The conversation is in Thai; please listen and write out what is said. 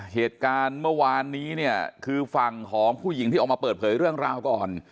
เหตุการณ์เมื่อวานนี้เนี่ยคือฝั่งของผู้หญิงที่ออกมาเปิดเผยเรื่องราวก่อน